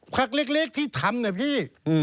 คักลิกที่ทำเนี่ยพี่